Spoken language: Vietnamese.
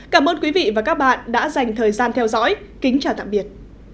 cảm ơn quý vị và các bạn đã dành thời gian theo dõi kính chào tạm biệt